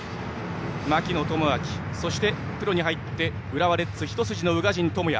槙野智章そしてプロに入って浦和レッズ一筋の宇賀神友弥。